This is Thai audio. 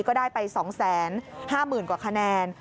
ก็ได้ไป๒๕๐๐๐กว่าคะแนน